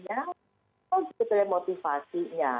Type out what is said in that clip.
apa sebetulnya motivasinya